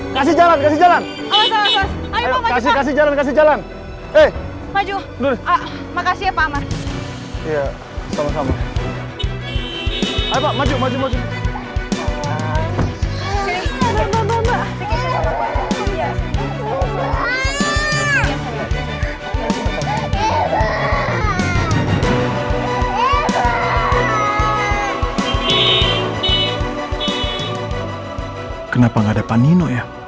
kenapa tidak ada pak nino ya